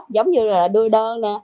giống như là đưa đơn